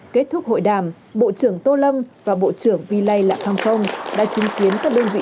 kết thúc hội đàm bộ trưởng tô lâm và bộ trưởng vi lây lạc thăng phong đã chứng kiến các đơn vị